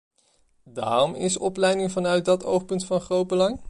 Daarom is opleiding vanuit dat oogpunt van groot belang.